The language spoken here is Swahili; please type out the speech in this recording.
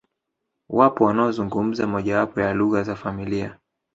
Wao wanazungumza mojawapo ya lugha za familia